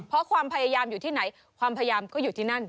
เพราะความพยายามอยู่ที่ไหนความพยายามก็อยู่ที่นั่น